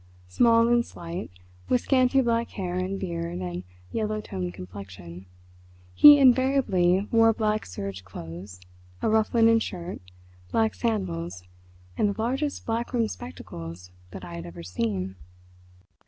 Small and slight, with scanty black hair and beard and yellow toned complexion, he invariably wore black serge clothes, a rough linen shirt, black sandals, and the largest black rimmed spectacles that I had ever seen.